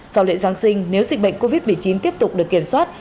sau lễ giáng sinh nếu dịch bệnh covid một mươi chín tiếp tục được kiểm soát